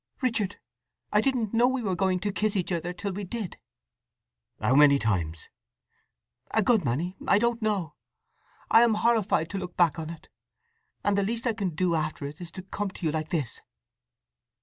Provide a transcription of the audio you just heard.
"Richard, I didn't know we were going to kiss each other till we did!" "How many times?" "A good many. I don't know. I am horrified to look back on it, and the least I can do after it is to come to you like this."